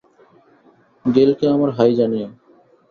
গেইলকে আমার হাই জানিয়ো!